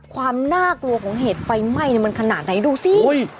ความน่ากลัวของเหตุไฟไหม้มันขนาดไหนดูสิ